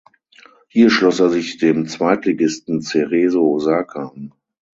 Hier schloss er sich dem Zweitligisten Cerezo Osaka an.